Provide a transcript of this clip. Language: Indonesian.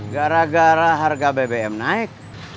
gara gara harga bbm naik